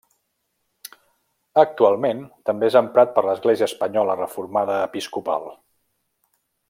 Actualment també és emprat per l'Església Espanyola Reformada Episcopal.